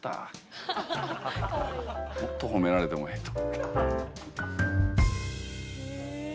もっと褒められてもええと思った。